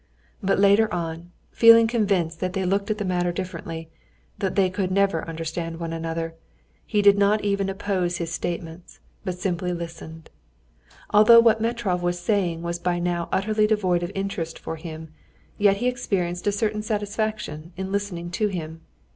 But later on, feeling convinced that they looked at the matter so differently, that they could never understand one another, he did not even oppose his statements, but simply listened. Although what Metrov was saying was by now utterly devoid of interest for him, he yet experienced a certain satisfaction in listening to him.